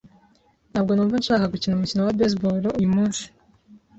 Ntabwo numva nshaka gukina umukino wa baseball uyumunsi.